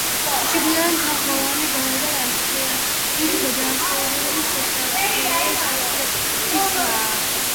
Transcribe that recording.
შიგნიდან თაღოვანი, გარედან არქიტრავით გადახურული შესასვლელი სამხრეთითაა.